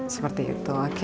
seperti itu oke